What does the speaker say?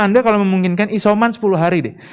anda kalau memungkinkan isoman sepuluh hari deh